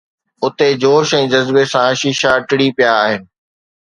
اُتي جوش ۽ جذبي سان شيشا ٽڙي پيا آهن